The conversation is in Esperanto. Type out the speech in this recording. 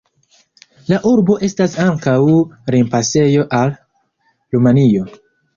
La urbo estas ankaŭ limpasejo al Rumanio.